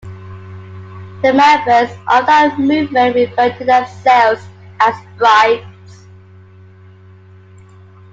The members of that movement refer to themselves as "Brights".